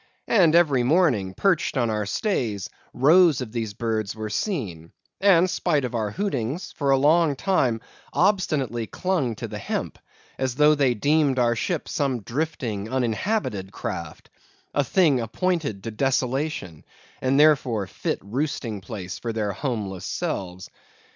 And every morning, perched on our stays, rows of these birds were seen; and spite of our hootings, for a long time obstinately clung to the hemp, as though they deemed our ship some drifting, uninhabited craft; a thing appointed to desolation, and therefore fit roosting place for their homeless selves.